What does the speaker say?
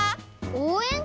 おうえん？